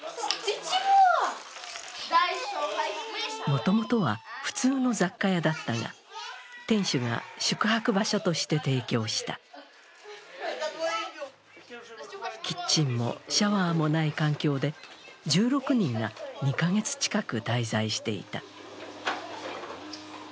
もともとは普通の雑貨屋だったが、店主が宿泊場所として提供したキッチンもシャワーもない環境で１６人が２カ月近く滞在していた。